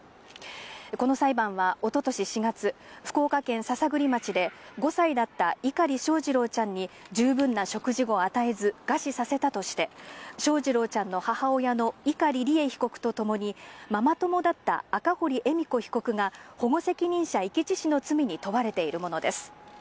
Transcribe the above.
この裁判はおととし４月、福岡県篠栗町で、５歳だった碇翔士郎ちゃんに十分な食事を与えず、餓死させたとして、翔士郎ちゃんの母親の碇利恵被告と共に、ママ友だった赤堀恵美子被告が保護責任者遺棄致死の罪に問われているものです。